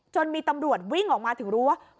มีตำรวจวิ่งออกมาถึงรู้ว่า